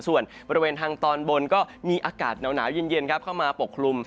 ส่วนบริเวณทางตอนบนก็มีอากาศหนาวเย็นเข้ามาปกคลุม